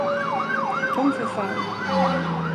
Kom för fan!